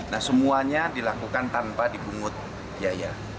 nah semuanya dilakukan tanpa dibungut yaya